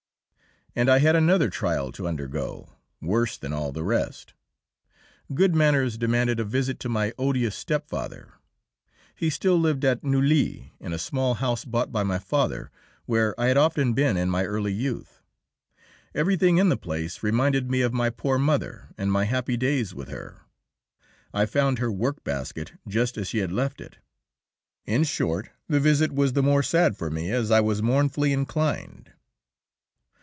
And I had another trial to undergo, worse than all the rest. Good manners demanded a visit to my odious stepfather. He still lived at Neuilly, in a small house bought by my father, where I had often been in my early youth. Everything in the place reminded me of my poor mother and my happy days with her. I found her workbasket just as she had left it. In short, the visit was the more sad for me as I was mournfully inclined.